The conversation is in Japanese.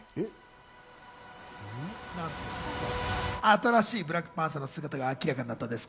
新しいブラックパンサーの姿が明らかになったんです。